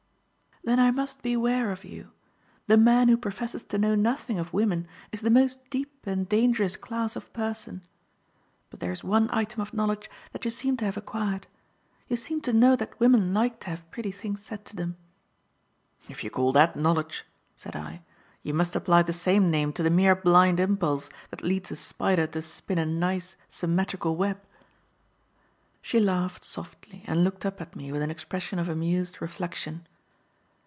"Then I must beware of you. The man who professes to know nothing of women is the most deep and dangerous class of person. But there is one item of knowledge that you seem to have acquired. You seem to know that women like to have pretty things said to them." "If you call that knowledge," said I, "you must apply the same name to the mere blind impulse that leads a spider to spin a nice, symmetrical web." She laughed softly and looked up at me with an expression of amused reflection.